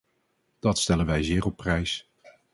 Dat stellen wij zeer op prijs.